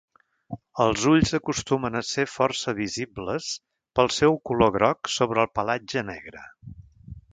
Els ulls acostumen a ser força visibles pel seu color groc sobre el pelatge negre.